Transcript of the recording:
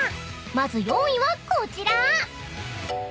［まず４位はこちら］